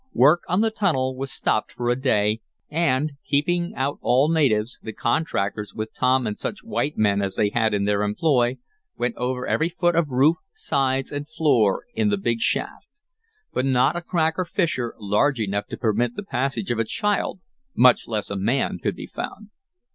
Work on the tunnel was stopped for a day, and, keeping out all natives, the contractors, with Tom and such white men as they had in their employ, went over every foot of roof, sides and floor in the big shaft. But not a crack or fissure, large enough to permit the passage of a child, much less a man, could be found.